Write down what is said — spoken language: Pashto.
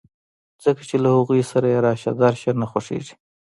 ځکه چې له هغوی سره يې راشه درشه نه خوښېږي.